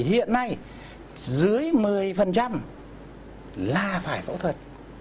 hiện nay dưới một mươi là phải phẫu thuật